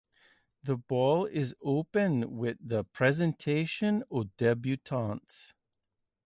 The ball is opened with the presentation of debutantes.